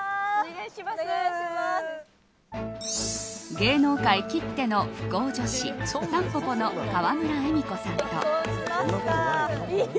芸能界きっての不幸女子たんぽぽの川村エミコさんと。